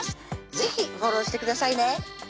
是非フォローしてくださいね